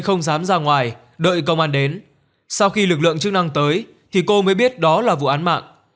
không dám ra ngoài đợi công an đến sau khi lực lượng chức năng tới thì cô mới biết đó là vụ án mạng